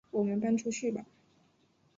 我们搬出去吧